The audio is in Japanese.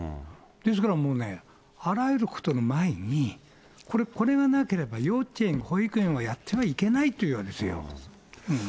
ですからもうね、あらゆることの前に、これがなければ幼稚園、保育園はやってはいけないというものですよ。